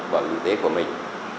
bảo hiểm y tế của mình